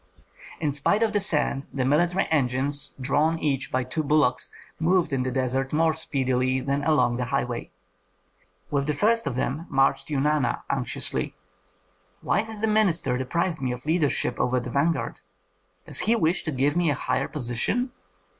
In spite of the sand the military engines, drawn each by two bullocks, moved in the desert more speedily than along the highway. With the first of them marched Eunana, anxiously. "Why has the minister deprived me of leadership over the vanguard? Does he wish to give me a higher position?"